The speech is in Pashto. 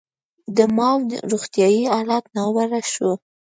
د ماوو روغتیايي حالت ناوړه شو.